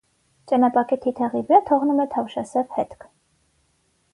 Ճենապակե թիթեղի վրա թողնում է թավշասև հետք։